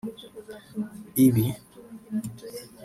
Ibi